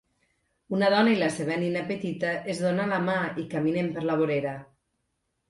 Una dona i la seva nina petita es donen la mà i caminen per la vorera.